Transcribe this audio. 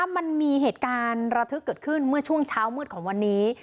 มันมีเหตุการณ์ระทึกเกิดขึ้นเมื่อช่วงเช้ามืดของวันนี้